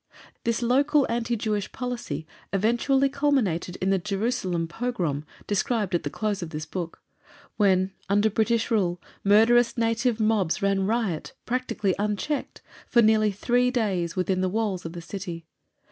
This local anti Jewish policy eventually culminated in the Jerusalem pogrom, described at the close of this book, when, under British rule, murderous native mobs ran riot, practically unchecked, for nearly three days within the walls of the City.